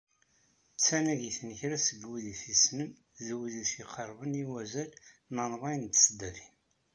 D tnagit n kra seg wid i t-yessnen d wid i t-iqerben i wazal n rebεin n tesdatin.